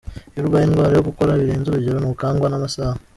Iyo urwaye indwara yo gukora birenze urugero ntukangwa n'amasaha .